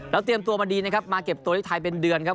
แล้วเตรียมตัวมาดีนะครับมาเก็บตัวที่ไทยเป็นเดือนครับ